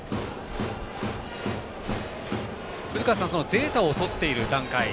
データをとっている段階